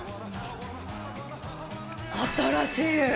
新しい。